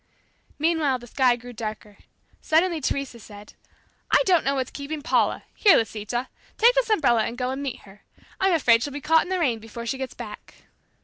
Meanwhile the sky grew darker. Suddenly Teresa said, "I don't know what's keeping Paula, Here, Lisita! Take this umbrella and go and meet her. I'm afraid she'll be caught in the rain before she gets back."